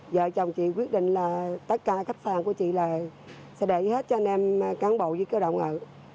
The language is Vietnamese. vợ chồng chị quyết định là tất cả khách sạn của chị là sẽ để hết cho anh em cán bộ với cơ động ở